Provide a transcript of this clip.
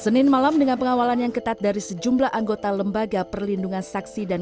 senin malam dengan pengawalan yang ketat dari sejumlah anggota lembaga perlindungan saksi dan